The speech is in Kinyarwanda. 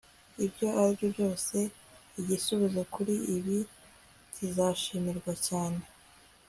Ibyo aribyo byose igisubizo kuri ibi kizashimirwa cyane